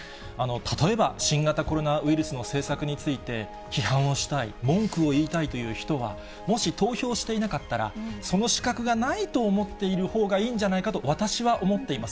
例えば新型コロナウイルスの政策について、批判をしたい、文句を言いたいという人は、もし投票していなかったら、その資格はないと思っているほうがいいんじゃないかと、私は思っています。